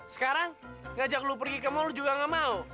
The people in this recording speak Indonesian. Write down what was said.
sekarang ngajak lu pergi ke mall juga gak mau